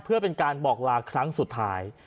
เพื่อเป็นการบอกลาครั้งสุดท้าย